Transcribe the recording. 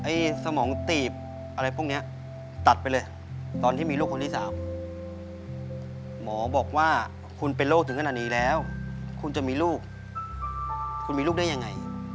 สมองตีบอะไรพวกนี้ตัดไปเลยตอนที่มีลูกคนที่สามหมอบอกว่าคุณเป็นโรคถึงขนาดนี้แล้วคุณจะมีลูกคุณมีลูกได้ยังไง